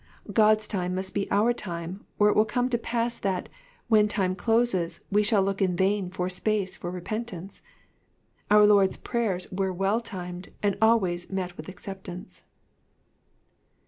God's time must be our time, or it will come to pass that, when time closes, we shall look m vain for space for repentance. Our Lord's prayers were well timed, and always met with acceptance.